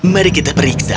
mari kita periksa